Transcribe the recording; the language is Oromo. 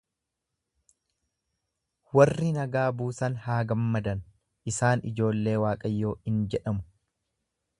Warri nagaa buusan haa gammadan, isaan ijoollee Waaqayyoo in jedhamu.